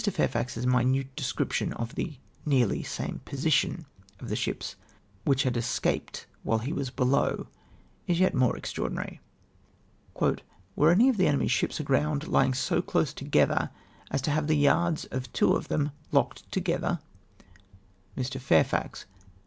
Fairfax's minute descri])tion of the " nearly same position " of the ships which had escaped ifhile he teas below ! is yet more extraordinary. " Were any of tlie enem3''s ships aground lying so close together as to have the yards of two of them locked together ?" Mr. Fairfax.